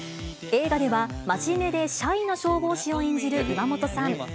映画では、真面目でシャイな消防士を演じる岩本さん。